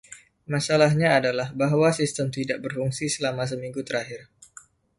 Masalahnya adalah bahwa sistem tidak berfungsi selama seminggu terakhir